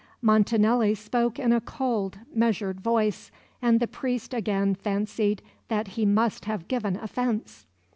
Montanelli spoke in a cold, measured voice, and the priest again fancied that he must have given offence.